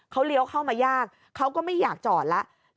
เขาเลี้ยวเข้ามายากเขาก็ไม่อยากจอดแล้ว